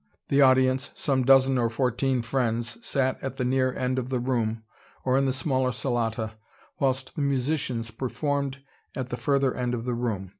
The audience, some dozen or fourteen friends, sat at the near end of the room, or in the smaller salotta, whilst the musicians performed at the further end of the room.